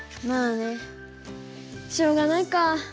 しょうがないか。